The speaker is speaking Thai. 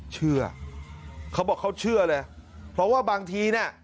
เชื่อเขาบอกเขาเชื่อเลย